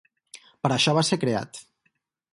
Per això va ser creat.